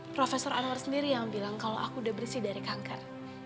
profesor anwar sendiri yang bilang kalau aku udah bersih dari kanker